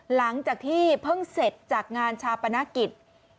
หลังจากที่เพิ่งเสร็จจากงานชาปนกิจ